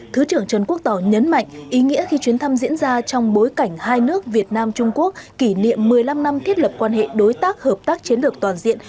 thứ trưởng trần quốc tỏ nhấn mạnh ý nghĩa khi chuyến thăm diễn ra trong bối cảnh hai nước việt nam trung quốc kỷ niệm một mươi năm năm thiết lập quan hệ đối tác hợp tác chiến lược toàn diện